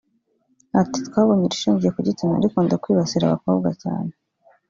Ati “Twabonye irishingiye ku gitsina rikunda kwibasira abakobwa cyane